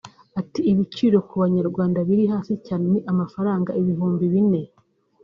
Ati "Ibiciro ku banyarwanda biri hasi cyane ni amafaranga ibihumbi bine